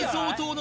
の